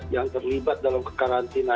yang terlibat dalam karantina